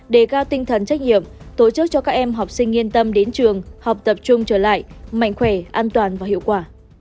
đề cao tinh thần trách nhiệm tổ chức cho các em học sinh yên tâm đến trường học tập trung trở lại mạnh khỏe an toàn và hiệu quả